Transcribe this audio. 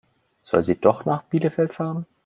Soll sie doch nach Bielefeld fahren?